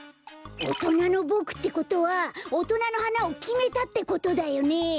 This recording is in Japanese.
おとなのボクってことはおとなのはなをきめたってことだよね？